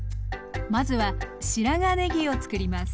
まずは白髪ねぎをつくります。